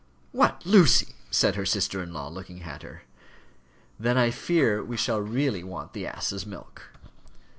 "What, Lucy!" said her sister in law, looking at her. "Then I fear we shall really want the ass's milk."